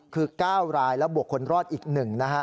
คือ๙รายและบวกคนรอดอีก๑นะฮะ